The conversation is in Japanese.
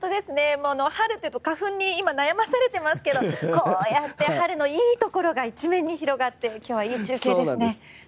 春というと花粉に今、悩まされていますがこうやって春のいいところが一面に広がって今日はいい中継ですね。